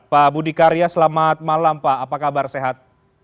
pak budi karya selamat malam pak apa kabar sehat